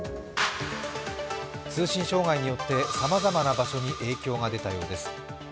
通信障害によってさまざまな場所に影響が出たようです。